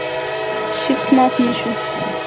شیټ مات نه شو.